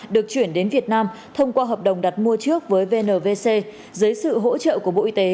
được chuyển đến việt nam thông qua hợp đồng đặt mua trước với vnvc dưới sự hỗ trợ của bộ y tế